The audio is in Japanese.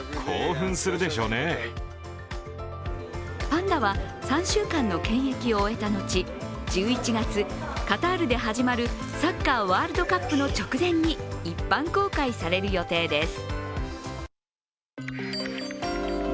パンダは３週間の検疫を終えたのち、１１月サッカー・ワールドカップの直前に一般公開される予定です。